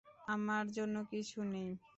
আমার জন্য কিছু নেই।